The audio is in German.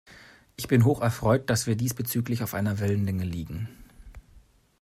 Ich bin hocherfreut, dass wir diesbezüglich auf einer Wellenlänge liegen.